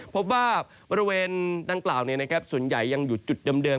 พบว่าบริเวณด้านกล่าวนี้นะครับส่วนใหญ่ยังอยู่จุดเดิม